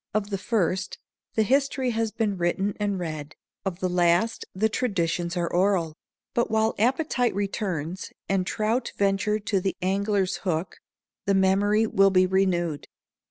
Of the first, the history has been written and read. Of the last, the traditions are oral; but while appetite returns, and trout venture to the angler's hook, the memory will be renewed.